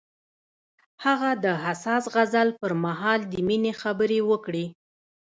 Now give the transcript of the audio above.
هغه د حساس غزل پر مهال د مینې خبرې وکړې.